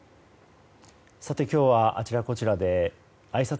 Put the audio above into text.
今日はあちらこちらであいさつ